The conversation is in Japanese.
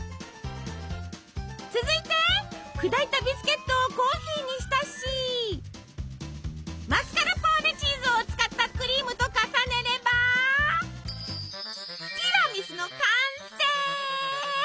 続いて砕いたビスケットをコーヒーに浸しマスカルポーネチーズを使ったクリームと重ねればティラミスの完成！